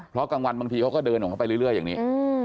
เพราะกลางวันบางทีเขาก็เดินของเขาไปเรื่อยอย่างนี้